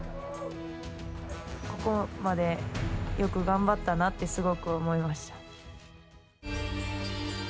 ここまでよく頑張ったなってすごく思いました。